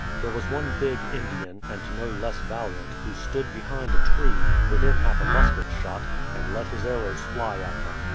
There was one big Indian, and no less valiant, who stood behind a tree, within half a musket shot, and let his arrows fly at them.